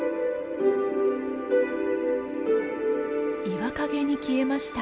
岩陰に消えました。